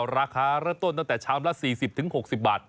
ราคาเริ่มต้นตั้งแต่ชามละ๔๐๖๐บาท